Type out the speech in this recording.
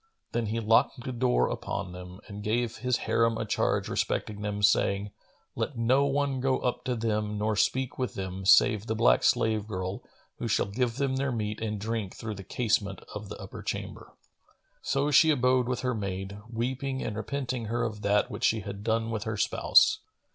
Then he locked the door upon them and gave his Harim a charge respecting them, saying, "Let none go up to them nor speak with them, save the black slave girl who shall give them their meat and drink through the casement of the upper chamber." So she abode with her maid, weeping and repenting her of that which she had done with her spouse.